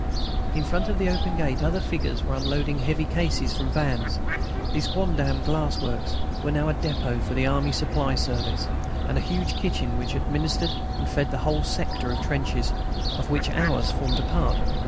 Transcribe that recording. In front of the open gate other figures were unloading heavy cases from vans. These quondam glass works were now a depôt for the Army Supply service, and a huge kitchen, which administered and fed the whole sector of trenches, of which ours formed a part.